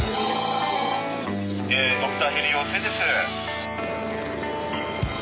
ドクターヘリ要請です。